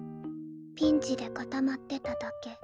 ピンチで固まってただけ。